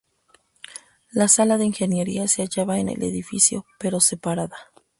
La sala de ingeniería se hallaba en el edificio, pero separada.